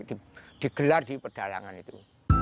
tokoh jahat baik digelar di pedalangan itu